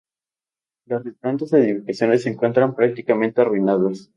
Las restantes edificaciones se encuentran prácticamente arruinadas.